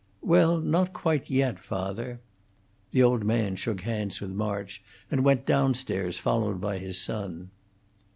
"Well, not quite yet, father." The old man shook hands with March, and went downstairs, followed by his son.